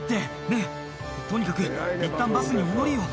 「ねっとにかくいったんバスにお乗りよ」